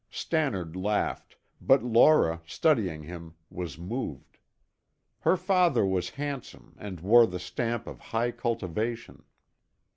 Stannard laughed, but Laura, studying him, was moved. Her father was handsome and wore the stamp of high cultivation.